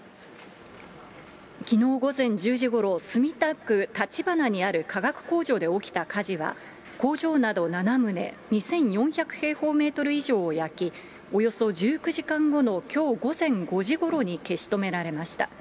きのう午前１０時ごろ、墨田区たちばなにある化学工場で起きた火事は、工場など７棟、２４００平方メートル以上を焼き、およそ１９時間後のきょう午前５時ごろに消し止められました。